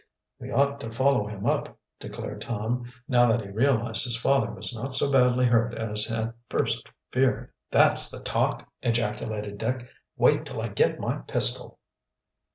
"We ought to follow him up," declared Tom, now that he realized his father was not so badly hurt as at first feared. "That's the talk!" ejaculated Dick. "Wait till I get my pistol."